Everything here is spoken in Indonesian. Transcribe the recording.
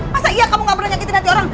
masa iya kamu gak pernah nyakitin nanti orang